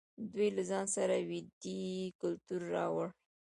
دوی له ځان سره ویدي کلتور راوړ.